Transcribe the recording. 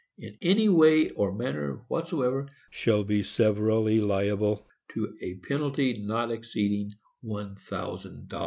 in any way or manner whatsoever, shall be severally liable to a penalty not exceeding one thousand dollars."